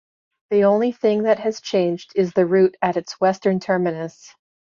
The only thing that has changed is the route at its western terminus.